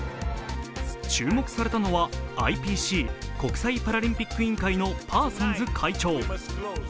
注目されたのはＩＰＣ＝国際パラリンピック委員会のパーソンズ会長。